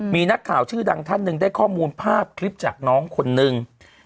มีนักข่าวชื่อดังท่านหนึ่งได้ข้อมูลภาพคลิปจากน้องคนนึง